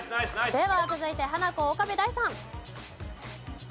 では続いてハナコ岡部大さん。